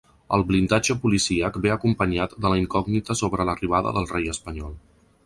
El blindatge policíac ve acompanyat de la incògnita sobre l’arribada del rei espanyol.